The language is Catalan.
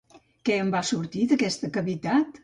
Què en va sortir d'aquesta cavitat?